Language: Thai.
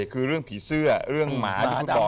คือเรื่องผีเสื้อเรื่องหมา